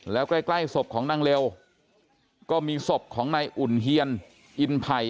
แล้วใกล้ศพของนางเลวก็มีศพของนายอุ่นเฮียนอินไผ่